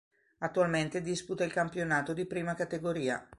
Attualmente disputa il campionato di Prima Categoria.